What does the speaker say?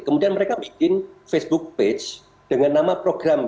kemudian mereka bikin facebook page dengan nama program